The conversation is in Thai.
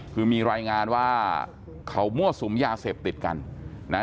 คือมีรายงานว่าเขามั่วสุมยาเสพติดกันนะฮะ